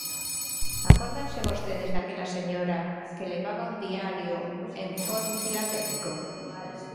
¿Acórdanse vostedes daquela señora que levaba un diario en Fórum Filatélico?